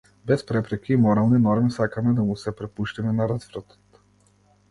Без препреки и морални норми сакаме да му се препуштиме на развратот.